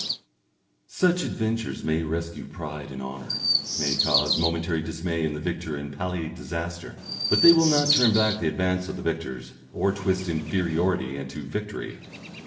Such adventures may rescue pride and honour, may cause momentary dismay in the victor and palliate disaster, but they will not turn back the advance of the victors, or twist inferiority into victory.